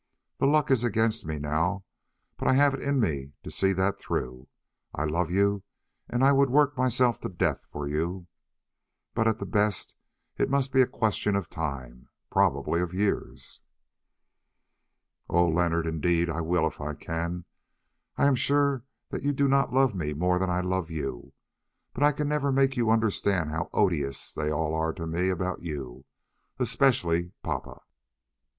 The luck is against me now, but I have it in me to see that through. I love you and I would work myself to death for you; but at the best it must be a question of time, probably of years." "Oh! Leonard, indeed I will if I can. I am sure that you do not love me more than I love you, but I can never make you understand how odious they all are to me about you, especially Papa."